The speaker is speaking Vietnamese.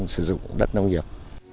sử dụng đất nông nghiệp